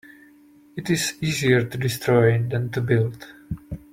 It is easier to destroy than to build.